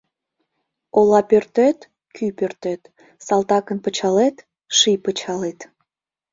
Ола пӧртет — кӱ пӧртет, Салтакын пычалет — ший пычалет.